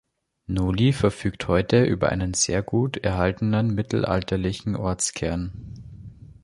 Noli verfügt heute über einen sehr gut erhaltenen mittelalterlichen Ortskern.